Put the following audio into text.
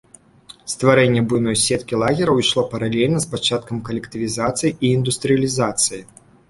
Стварэнне буйной сеткі лагераў ішло паралельна з пачаткам калектывізацыі і індустрыялізацыі.